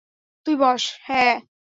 তুই বস, হ্যাঁ?